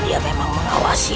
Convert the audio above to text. dia memang mengawasiiku